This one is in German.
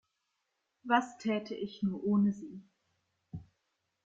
Was täte ich nur ohne Sie?